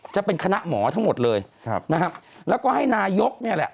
จะเป็นคณะหมอทั้งหมดเลยแล้วก็ให้นายกนี่แหละ